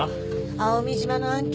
蒼海島の案件。